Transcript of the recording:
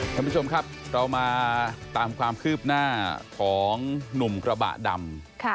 ท่านผู้ชมครับเรามาตามความคืบหน้าของหนุ่มกระบะดำ